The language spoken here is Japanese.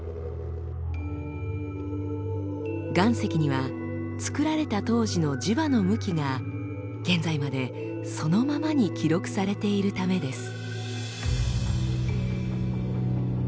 岩石には作られた当時の磁場の向きが現在までそのままに記録されているためです。